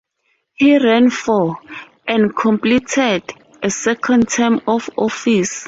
He ran for, and completed, a second term of office.